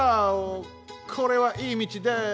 これはいいみちです！